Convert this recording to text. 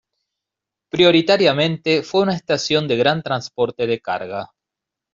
Prioritariamente fue una estación de gran transporte de carga.